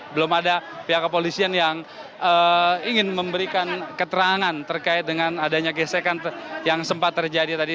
belum ada pihak kepolisian yang ingin memberikan keterangan terkait dengan adanya gesekan yang sempat terjadi tadi